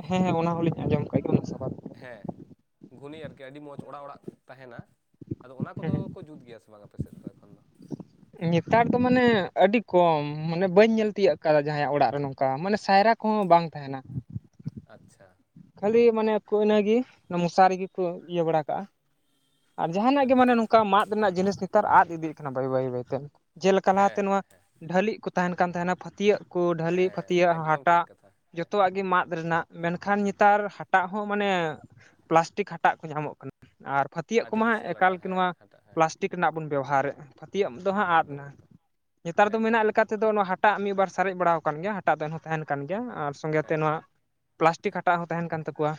ᱦᱮᱸ ᱦᱮᱸ ᱚᱱᱟ ᱦᱚᱞᱤᱧ ᱟᱸᱡᱚᱢ ᱠᱟᱜ ᱜᱮ ᱚᱱᱟ ᱥᱟᱵᱟᱫ ᱦᱮᱸ ᱜᱷᱩᱱᱤ ᱟᱨᱠᱤ ᱟᱹᱰᱤ ᱢᱚᱡᱽ ᱚᱲᱟᱜ ᱚᱲᱟᱜ ᱛᱟᱦᱮᱱᱟ ᱾ ᱟᱫᱚ ᱚᱱᱟ ᱦᱮᱸ ᱠᱚᱫᱚ ᱠᱚ ᱡᱩᱛ ᱜᱮᱭᱟ ᱥᱮ ᱵᱟᱝ ᱟᱯᱮᱥᱮᱫ ᱫᱚ ᱮᱠᱷᱚᱱ ᱫᱚ ᱱᱮᱛᱟᱨ ᱫᱚ ᱢᱟᱱᱮ ᱟᱹᱰᱤ ᱠᱚᱢ ᱢᱟᱱᱮ ᱵᱟᱹᱧ ᱧᱮᱞ ᱛᱤᱭᱟᱹᱜ ᱟᱠᱟᱫᱟ ᱡᱟᱦᱟᱭᱟᱜ ᱚᱲᱟᱜ ᱨᱮ ᱱᱚᱝᱠᱟ ᱢᱟᱱᱮ ᱥᱟᱭᱨᱟ ᱠᱚᱦᱚᱸ ᱵᱟᱝ ᱛᱟᱦᱮᱱᱟ ᱟᱪᱪᱷᱟ ᱠᱷᱟᱹᱞᱤ ᱢᱟᱱᱮ ᱟᱠᱚ ᱤᱱᱟᱹᱜᱮ ᱚᱱᱟ ᱢᱚᱥᱟᱨᱤ ᱨᱮᱤᱜᱮᱠᱚ ᱤᱭᱟᱹ ᱵᱟᱲᱟ ᱠᱟᱜ-ᱟ ᱟᱨ ᱡᱟᱦᱟᱱᱟᱜ ᱜᱮ ᱢᱟᱱᱮ ᱟᱪᱪᱷᱟ ᱱᱚᱝᱠᱟ ᱢᱟᱫ ᱨᱮᱱᱟᱜ ᱡᱤᱱᱤᱥ ᱱᱮᱛᱟᱨ ᱟᱫ ᱤᱫᱤᱜ ᱠᱟᱱᱟ ᱵᱟᱹᱭ ᱵᱟᱹᱭ ᱵᱟᱹᱭᱛᱮ ᱡᱮᱞᱮᱠᱟ ᱞᱟᱦᱟᱛᱮ ᱦᱮᱸ ᱱᱚᱣᱟ ᱦᱮᱸ ᱦᱮᱸ ᱰᱷᱟᱹᱞᱤᱜ ᱠᱚ ᱛᱟᱦᱮᱱ ᱠᱟᱱ ᱛᱟᱦᱮᱱᱟ ᱯᱷᱟᱹᱛᱭᱟᱹᱜ ᱠᱚ ᱰᱷᱟᱹᱞᱤᱡ ᱦᱮᱸ ᱯᱷᱟᱹᱛᱭᱟᱹᱜ ᱮᱠᱫᱚᱢ ᱴᱷᱤᱠ ᱦᱟᱴᱟᱜ ᱠᱟᱛᱷᱟ ᱦᱮᱸ ᱡᱚᱛᱚᱣᱟᱜ ᱜᱮ ᱢᱟᱫ ᱨᱮᱱᱟᱜ ᱢᱮᱱᱠᱷᱟᱱ ᱱᱮᱛᱟᱨ ᱦᱳᱭ ᱦᱟᱴᱟᱜ ᱦᱚᱸ ᱢᱟᱱᱮ ᱯᱮᱞᱟᱥᱴᱤᱠ ᱦᱟᱴᱟᱜ ᱠᱚ ᱧᱟᱢᱚᱜ ᱠᱟᱱᱟ ᱟᱨ ᱯᱷᱟᱛᱤᱭᱟᱜ ᱠᱚᱢᱟ ᱦᱚ ᱟᱨᱴᱤᱯᱷᱤᱥᱤᱭᱟᱞ ᱟᱴᱟ ᱮᱠᱟᱞ ᱜᱮ ᱦᱮᱸ ᱱᱚᱣᱟ ᱦᱟᱴᱟᱜ ᱦᱮᱸ ᱯᱮᱞᱟᱥ ᱴᱤᱠ ᱨᱮᱱᱟᱜ ᱵᱚᱱ ᱵᱮᱣᱦᱟᱨᱮᱫ-ᱟ ᱯᱷᱟᱹᱛᱭᱟᱹᱜ ᱫᱚ ᱦᱟᱸᱜ ᱟᱫ ᱮᱠᱫᱚᱢ ᱮᱱᱟ ᱮᱠᱫᱚᱢ ᱱᱮᱛᱟᱨ ᱫᱚ ᱮᱠᱫᱚᱢ ᱢᱮᱱᱟᱜ ᱮᱠᱫᱚᱢ ᱞᱮᱠᱟᱛᱮᱫᱚ ᱱᱚᱣᱟ ᱦᱟᱴᱟᱜ ᱢᱤᱫ ᱵᱟᱨ ᱥᱟᱨᱮᱡ ᱵᱟᱲᱟ ᱠᱟᱱ ᱜᱮᱭᱟ ᱦᱟᱴᱟᱜ ᱫᱚ ᱮᱱ ᱦᱚᱸ ᱛᱟᱦᱮᱱ ᱠᱟᱱ ᱜᱮᱭᱟ ᱟᱨ ᱥᱚᱸᱜᱮᱛᱮ ᱦᱮᱸ ᱦᱮᱸ ᱱᱚᱣᱟ ᱯᱮᱞᱟᱥᱴᱤᱠ ᱦᱟᱴᱟᱜ ᱦᱚᱸ ᱛᱟᱦᱮᱱ ᱠᱟᱱ ᱛᱟᱠᱚᱣᱟ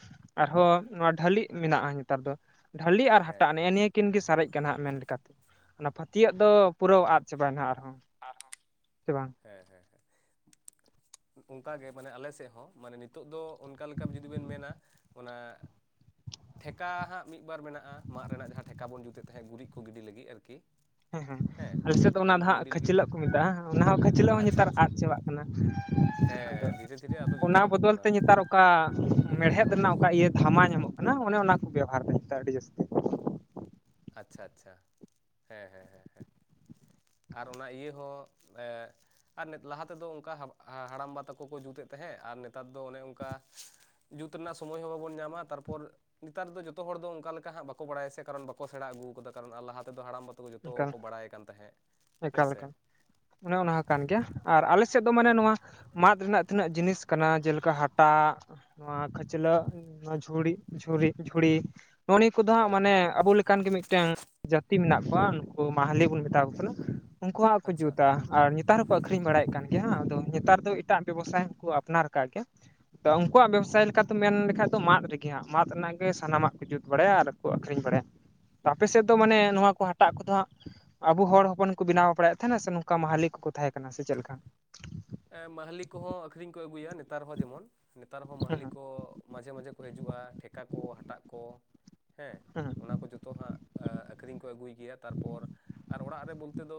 ᱟᱨᱦᱚᱸ ᱱᱚᱣᱟ ᱰᱷᱟᱹᱞᱤᱜ ᱢᱮᱱᱟᱜ-ᱟ ᱱᱮᱛᱟᱨ ᱫᱚ ᱰᱷᱟᱹᱞᱤ ᱟᱨ ᱦᱮᱸ ᱦᱟᱴᱟᱜ ᱱᱮᱜ ᱱᱤᱭᱟᱹ ᱩᱱᱠᱤᱱ ᱜᱮ ᱥᱟᱨᱮᱡ ᱠᱟᱱᱟ ᱦᱟᱜ ᱢᱮᱱ ᱞᱮᱠᱟᱛᱮ ᱚᱱᱟ ᱯᱷᱟᱹᱛᱭᱟᱹᱜ ᱫᱚ ᱯᱩᱨᱟᱹ ᱟᱫ ᱪᱟᱵᱟᱭᱱᱟᱦᱟᱜ ᱟᱨᱦᱚᱸ ᱟᱨᱦᱚᱸ ᱥᱮ ᱵᱟᱝ ᱦᱮᱸ ᱦᱮᱸ ᱦᱮᱸ ᱚᱱᱠᱟᱜᱮ ᱢᱟᱱᱮ ᱟᱞᱮ ᱥᱮᱫ ᱦᱚᱸ ᱢᱟᱱᱮ ᱱᱤᱛᱚᱜ ᱫᱚ ᱚᱱᱠᱟ ᱞᱮᱠᱟ ᱡᱩᱫᱤ ᱵᱮᱱ ᱢᱮᱱᱟ ᱚᱱᱟ ᱴᱷᱮᱠᱟ ᱦᱟᱸᱜ ᱢᱤᱫ ᱵᱟᱨ ᱢᱮᱱᱟᱜ-ᱟ ᱢᱟᱫ ᱨᱮᱱᱟᱜ ᱡᱟᱦᱟᱸ ᱴᱷᱮᱠᱟ ᱵᱚᱱ ᱡᱩᱛᱮᱫ ᱛᱟᱦᱮᱸᱫ ᱜᱩᱨᱤᱡ ᱠᱚ ᱜᱤᱰᱤ ᱞᱟᱹᱜᱤᱫ ᱟᱨᱠᱤ ᱦᱮᱸ ᱦᱮᱸ ᱟᱞᱮ ᱥᱮᱫ ᱫᱚ ᱚᱱᱟ ᱜᱩᱨᱤᱡ ᱫᱚ ᱠᱚ ᱦᱟᱸᱜ ᱜᱤᱰᱤ ᱞᱟᱹᱜᱤᱫ ᱠᱷᱟᱹᱪᱞᱟᱹᱜ ᱠᱚ ᱢᱮᱛᱟᱜ-ᱟ ᱚᱱᱟ ᱦᱚᱸ ᱠᱷᱟᱹ ᱠᱷᱟ. ᱪᱟ. ᱞᱟᱹᱜ ᱦᱚᱸ ᱟᱪᱪᱷᱟ ᱱᱮᱛᱟᱨ ᱟᱪᱪᱷᱟ ᱟᱫ ᱪᱟᱵᱟᱜ ᱠᱟᱱᱟ ᱟᱫᱚ ᱦᱮᱸ ᱫᱷᱤᱨᱮ ᱫᱷᱤᱨᱮ ᱟᱫᱚ ᱡᱚᱛᱚ ᱚᱱᱟ ᱟᱫᱚᱜ ᱵᱚᱫᱚᱞ ᱠᱟᱱᱟ ᱛᱮ ᱱᱮᱛᱟᱨ ᱚᱠᱟ ᱢᱮᱲᱦᱮᱫ ᱨᱮᱱᱟᱜ ᱚᱠᱟ ᱤᱭᱟᱹ ᱫᱷᱟᱢᱟ ᱧᱟᱢᱚᱜ ᱠᱟᱱᱟ ᱚᱱᱮ ᱚᱱᱟ ᱠᱚ ᱵᱮᱣᱦᱟᱨ ᱫᱟ ᱟᱹᱰᱤ ᱡᱟᱹᱥᱛᱤ ᱾ ᱟᱪᱪᱷᱟ ᱟᱪᱪᱷᱟ ᱦᱮᱸ ᱦᱮᱸ ᱦᱮᱸ ᱦᱮᱸ ᱟᱨ ᱚᱱᱟ ᱤᱭᱟᱹ ᱦᱚᱸ ᱟᱨ ᱞᱟᱦᱟ ᱛᱮᱫᱚ ᱚᱱᱠᱟ ᱦᱟᱲᱟᱢᱵᱟ ᱛᱟᱠᱚ ᱠᱚ ᱡᱩᱛ ᱮᱫ ᱛᱟᱦᱮᱸᱜ ᱟᱨ ᱱᱮᱛᱟᱨ ᱫᱚ ᱚᱱᱮ ᱚᱱᱠᱟ ᱡᱩᱛ ᱨᱮᱱᱟᱜ ᱥᱚᱢᱚᱭ ᱦᱚᱸ ᱵᱟᱵᱚᱱ ᱧᱟᱢᱟ ᱛᱟᱨᱯᱚᱨ ᱱᱮᱛᱟᱨ ᱫᱚ ᱡᱚᱛᱚ ᱦᱚᱲ ᱫᱚ ᱚᱱᱠᱟ ᱞᱮᱠᱟ ᱦᱟᱜ ᱵᱟᱠᱚ ᱵᱟᱲᱟᱭᱟ ᱥᱮ ᱠᱟᱨᱚᱱ ᱵᱟᱠᱚ ᱥᱮᱬᱟ ᱟᱹᱜᱩ ᱠᱟᱫᱟ ᱠᱟᱨᱚᱱ ᱞᱟᱦᱟ ᱛᱮᱫᱚ ᱦᱟᱲᱟᱢ ᱵᱟᱼ ᱦᱚᱭ ᱡᱚᱛᱚ ᱮᱠᱟᱞ ᱠᱚᱠᱚ ᱵᱟᱲᱟᱭ ᱠᱟᱱ ᱛᱟᱦᱮᱸᱫ ᱦᱮᱸ ᱮᱠᱟᱞ ᱥᱮ ᱮᱠᱟᱞ ᱚᱱᱮ ᱚᱱᱟ ᱦᱚᱸ ᱠᱟᱱ ᱜᱮᱭᱟ ᱟᱨ ᱟᱞᱮ ᱥᱮᱫ ᱫᱚ ᱢᱟᱱᱮ ᱱᱚᱣᱟ ᱢᱟᱫ ᱨᱮᱱᱟᱜ ᱛᱤᱱᱟᱹᱜ ᱡᱤᱱᱤᱥ ᱠᱟᱱᱟ ᱡᱮᱞᱮᱠᱟ ᱦᱟᱴᱟᱜ ᱱᱚᱣᱟ ᱠᱷᱟᱹᱪᱞᱟᱹᱜ ᱱᱚᱣᱟ ᱡᱷᱩᱲᱤ ᱡᱷᱩᱲᱤ ᱡᱷᱩᱲᱤ ᱱᱚᱜᱼᱚ ᱱᱤᱭᱟᱹ ᱠᱚᱫᱚ ᱦᱟᱸᱜ ᱦᱳᱭ ᱢᱟᱱᱮ ᱟᱵᱚ ᱞᱮᱠᱟᱱ ᱜᱮ ᱢᱤᱫᱴᱮᱱ ᱡᱟᱹᱛᱤ ᱢᱮᱱᱟᱜ ᱠᱚᱣᱟ ᱱᱩᱠᱩ ᱢᱟᱦᱟᱞᱤ ᱵᱚᱱ ᱢᱮᱛᱟᱣ ᱠᱚ ᱠᱟᱱᱟ ᱩᱱᱠᱩ ᱦᱟᱜ ᱠᱚ ᱟᱪᱪᱷᱟ ᱡᱩᱛᱟ ᱟᱨ ᱱᱮᱛᱟᱨ ᱦᱚᱸᱠᱚ ᱟᱠᱷᱨᱤᱧ ᱵᱟᱲᱟᱭᱮᱫ ᱠᱟᱱ ᱜᱮᱭᱟ ᱦᱟᱜ ᱟᱫᱚ ᱱᱮᱛᱟᱨ ᱫᱚ ᱮᱴᱟᱜ ᱵᱮᱵᱚᱥᱟᱭ ᱦᱚᱸ ᱠᱚ ᱟᱯᱱᱟᱨ ᱠᱟᱜ ᱜᱮᱭᱟ ᱛᱚ ᱩᱱᱠᱩᱣᱟᱜ ᱵᱮᱵᱽᱥᱟᱭ ᱞᱮᱠᱟᱛᱮ ᱢᱮᱱ ᱞᱮᱠᱷᱟᱡ ᱫᱚ ᱢᱟᱫ ᱨᱮᱜᱮ ᱦᱟᱸᱜ ᱢᱟᱫ ᱨᱮᱱᱟᱜ ᱜᱮ ᱥᱟᱱᱟᱢᱟᱜ ᱠᱚ ᱡᱩᱛ ᱵᱟᱲᱟᱭᱟ ᱟᱨ ᱠᱚ ᱟᱹᱠᱷᱨᱤᱧ ᱵᱟᱲᱟᱭᱟ ᱟᱯᱮ ᱥᱮᱫ ᱫᱚ ᱢᱟᱱᱮ ᱱᱚᱣᱟ ᱠᱚ ᱦᱟᱴᱟᱜ ᱠᱚᱫᱚ ᱦᱟᱸᱜ ᱟᱵᱚ ᱦᱚᱲ ᱦᱚᱯᱚᱱ ᱠᱚ ᱵᱮᱱᱟᱣ ᱵᱟᱲᱟᱭᱮᱫ ᱛᱟᱦᱮᱱᱟ ᱥᱮ ᱱᱚᱝᱠᱟ ᱢᱟᱦᱟᱞᱤ ᱠᱚᱠᱚ ᱛᱟᱦᱮᱸ ᱠᱟᱱᱟ ᱥᱮ ᱪᱮᱫ ᱞᱮᱠᱟ ᱢᱟᱦᱞᱞᱤ ᱠᱚᱦᱚᱸ ᱟᱹᱠᱷᱨᱤᱧ ᱠᱚ ᱟᱹᱜᱩᱭᱟ ᱱᱮᱛᱟᱨ ᱦᱚᱸ ᱡᱮᱢᱚᱱ ᱱᱮᱛᱟᱨ ᱦᱚᱸ ᱦᱩᱸ ᱢᱟᱦᱞᱞᱤ ᱠᱚ ᱢᱟᱡᱷᱮ ᱢᱟᱡᱷᱮ ᱠᱚ ᱦᱤᱡᱩᱜ-ᱟ ᱴᱷᱮᱠᱟ ᱠᱚ ᱦᱟᱴᱟᱜ ᱠᱚ ᱦᱮᱸ ᱦᱩᱸ ᱚᱱᱟ ᱠᱚ ᱡᱚᱛᱚ ᱦᱟᱸᱜ ᱟᱠᱷᱨᱤᱧ ᱠᱚ ᱟᱹᱜᱩᱭ ᱜᱮᱭᱟ ᱛᱟᱨᱯᱚᱨ ᱟᱨ ᱚᱲᱟᱜ ᱨᱮ ᱵᱚᱞᱛᱮ ᱫᱚ